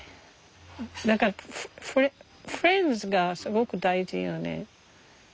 だからフレンズがすごく大事よね。